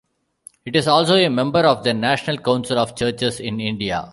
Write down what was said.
It is also a member of the National Council of Churches in India.